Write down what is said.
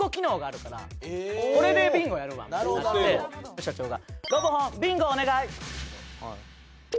これでビンゴやるわってなってで社長が。